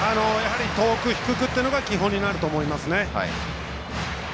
遠く低くというのが基本になりますね。